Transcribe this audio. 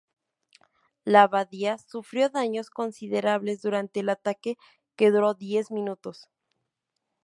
La abadía sufrió daños considerables durante el ataque, que duró diez minutos.